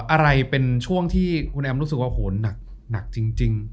อะไรเป็นช่วงที่คุณแอมรู้สึกว่าโหนหนักจริง